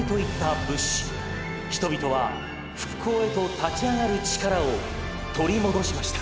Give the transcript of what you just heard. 人々は復興へと立ち上がる力を取り戻しました」。